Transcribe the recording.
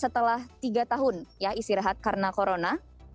setelah tiga tahun ya istirahat karena corona